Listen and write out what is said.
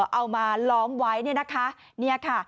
เอามาล้อมไว้เนี่ยนะคะเนี่ยค่ะ